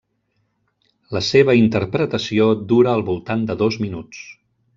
La seva interpretació dura al voltant de dos minuts.